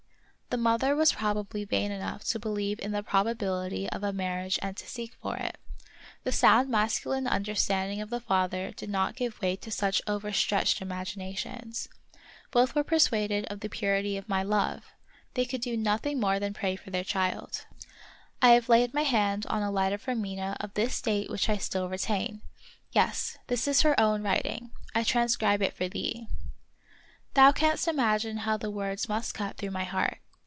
The mother was proba bly vain enough to believe in the probability of a marriage and to seek for it ; the sound masculine understanding of the father did not give way to such overstretched imaginations. Both were per suaded of the purity of my love ! they could do nothing more than pray for their child. 46 The Wonderful History I have laid my hand on a letter from Mina of this date which I still retain. Yes, this is her own writing. I transcribe it for thee. Thou canst imagine how the words must cut through my heart.